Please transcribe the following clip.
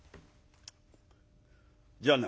じゃあな